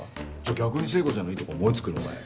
逆に聖子ちゃんのいいとこ思い付くのかよ。